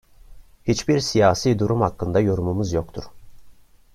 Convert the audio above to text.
Hiçbir siyasi durum hakkında yorumumuz yoktur.